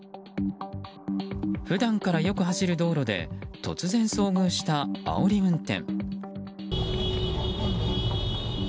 普段からよく走る道路で突然、遭遇したあおり運転。